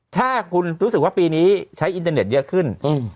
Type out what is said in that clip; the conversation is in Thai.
ถ้าคุณรู้สึกว่าปีนี้ใช้อินเทอร์เน็ตเยอะขึ้น